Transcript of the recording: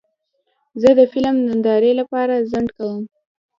زه د فلم نندارې لپاره ځنډ کوم.